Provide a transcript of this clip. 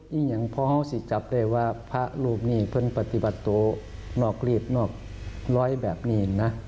อย่างพ่อเขาสิจับได้ว่าพระรูปนี้เพิ่งปฏิบัติตัวนอกรีดนอกร้อยแบบนี้นะ